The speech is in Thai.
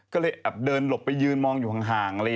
ก็เลยเดินหลบไปยืนมองอยู่ห่างอะไรอย่างนี้